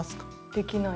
できない。